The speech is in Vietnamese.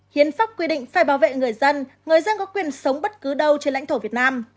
hiến pháp quy định phải bảo vệ người dân người dân có quyền sống bất cứ đâu trên lãnh thổ việt nam